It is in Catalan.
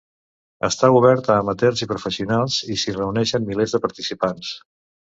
Està obert a amateurs i professionals i s'hi reuneixen milers de participants.